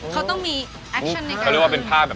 เขาต้องมีแอคชั่นในการ